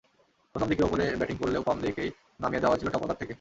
প্রথম দিকে ওপরে ব্যাটিং করলেও ফর্ম দেখেই নামিয়ে দেওয়া হয়েছিল টপঅর্ডার থেকে।